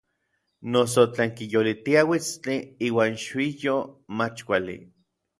Noso tlen kiyolitia uitstli iuan xiuyoj mach kuali.